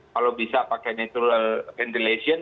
kalau bisa pakai natural ventilation